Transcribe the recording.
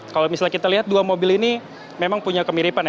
kalau misalnya kita lihat dua mobil ini memang punya kemiripan ya